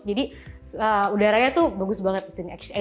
jadi udaranya tuh bagus banget di sini